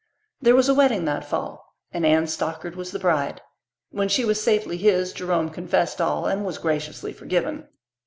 There was a wedding that fall and Anne Stockard was the bride. When she was safely his, Jerome confessed all and was graciously forgiven.